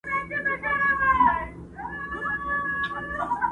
حقیقت به درته وایم که چینه د ځوانۍ راکړي!!